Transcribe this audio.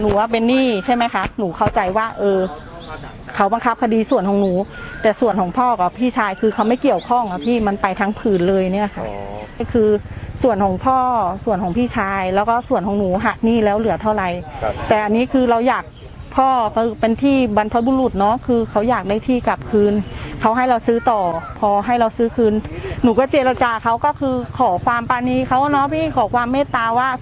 หรือว่าเป็นหนี้ใช่ไหมคะหนูเข้าใจว่าเขาบังคับคดีส่วนของหนูแต่ส่วนของพ่อกับพี่ชายคือเขาไม่เกี่ยวข้องกับหนี้มันไปทั้งผืนเลยเนี่ยค่ะคือส่วนของพ่อส่วนของพี่ชายแล้วก็ส่วนของหนูหักหนี้แล้วเหลือเท่าไรแต่อันนี้คือเราอยากพ่อก็เป็นที่บรรพบุรุษเนาะคือเขาอยากได้ที่กลับคืนเขาให้เราซื้อต